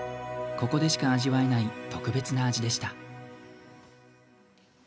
ここでしか味わえない特別な味でした。